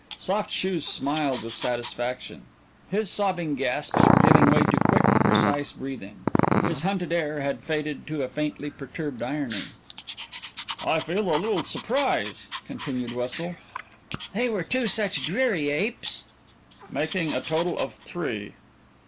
Soft Shoes smiled with satisfaction. His sobbing gasps were giving way to quick, precise breathing; his hunted air had faded to a faintly perturbed irony. "I feel little surprise," continued Wessel. "They were two such dreary apes." "Making a total of three."